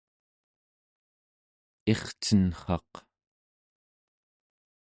ircenrraq